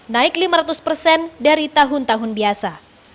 naik lima ratus persen dari tahun tahun biasa